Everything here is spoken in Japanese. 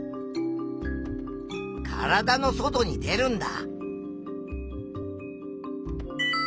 体の外に出るんだ。